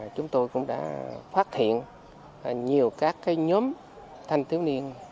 chúng tôi cũng đã phát hiện nhiều các nhóm thanh thiếu niên